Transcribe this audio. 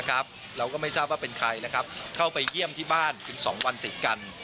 เราก็ไม่ทราบว่าเป็นใครเข้าไปเยี่ยมที่บ้านถึง๒วันติดกัน